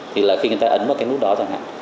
thì là khi người ta ấn vào cái lúc đó chẳng hạn